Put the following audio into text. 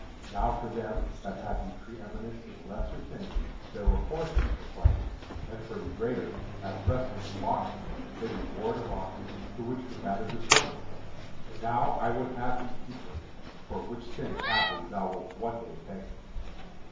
Now for them that had the preëminence in lesser things there were horses for prizes; and for the greater, as wrestling and boxing, a reward of oxen, to which was added this woman. And now I would have thee keep her, for which thing, haply, thou wilt one day thank me."